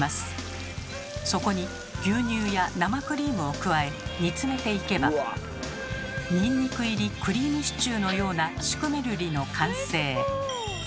そこに牛乳や生クリームを加え煮詰めていけばニンニク入りクリームシチューのようなシュクメルリの完成。